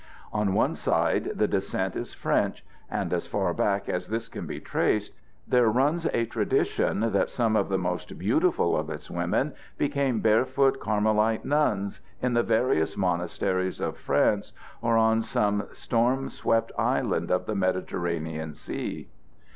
On one side the descent is French; and, as far back as this can be traced, there runs a tradition that some of the most beautiful of its women became barefoot Carmelite nuns in the various monasteries of France or on some storm swept island of the Mediterranean Sea.